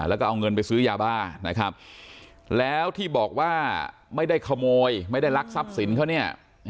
แล้วก็เอาเงินไปซื้อยาบ้านะครับแล้วที่บอกว่าไม่ได้ขโมยไม่ได้รักทรัพย์สินเขาเนี่ย